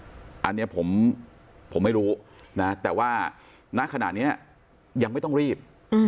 อันนี้ผมไม่รู้นะแต่ว่าณขณะนี้ยังไม่ต้องรีบ